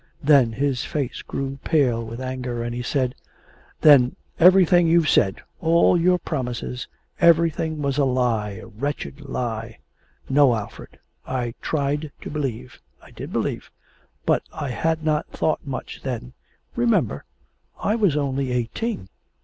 Then his face grew pale with anger, and he said: 'Then everything you've said all your promises everything was a lie, a wretched lie.' 'No, Alfred, I tried to believe. I did believe, but I had not thought much then. Remember, I was only eighteen.'